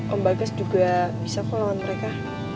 om bagas juga bisa kok lawan mereka